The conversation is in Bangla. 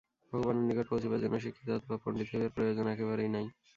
ভগবানের নিকট পৌঁছিবার জন্য শিক্ষিত অথবা পণ্ডিত হইবার প্রয়োজন একেবারেই নাই।